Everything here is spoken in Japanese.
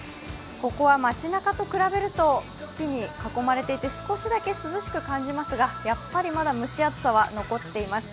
ここは街なかと比べると木に囲まれていて少しだけ涼しく感じられますがやっぱりまだ蒸し暑さは残っています。